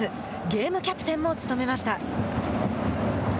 ゲームキャプテンも務めました。